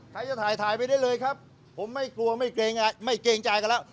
ใครจะถ่ายถ่ายไปได้เลยครับผมไม่กลัวไม่เกรงไม่เกรงใจกันแล้ว